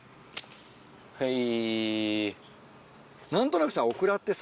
はい。